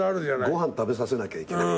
ご飯食べさせなきゃいけない。